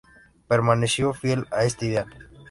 Permaneció fiel a este ideal.